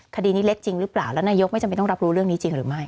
คดีนี้เล็กจริงหรือเปล่าแล้วนายกไม่จำเป็นต้องรับรู้เรื่องนี้จริงหรือไม่